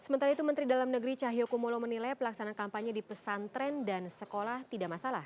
sementara itu menteri dalam negeri cahyokumolo menilai pelaksanaan kampanye di pesantren dan sekolah tidak masalah